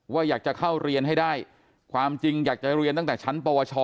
อยากจะเข้าเรียนให้ได้ความจริงอยากจะเรียนตั้งแต่ชั้นปวช